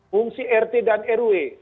fungsi rt dan rw